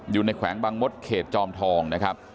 อยู่ในแขวงบังมตรเขตจอมทองนะครับ